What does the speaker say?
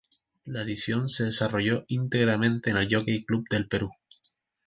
La edición se desarrolló íntegramente en el Jockey Club del Perú.